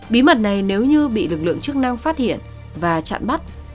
bí mật này nếu như bị lực lượng chức năng phát hiện và chặn bắt